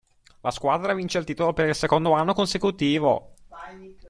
La squadra vince il titolo per il secondo anno consecutivo.